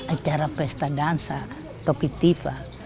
acara pesta dansa topi tipa